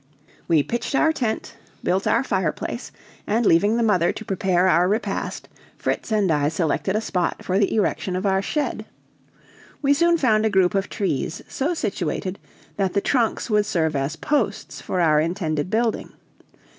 We pitched our tent, built our fireplace, and leaving the mother to prepare our repast, Fritz and I selected a spot for the erection of our shed. We soon found a group of trees so situated that the trunks would serve as posts for our intended building.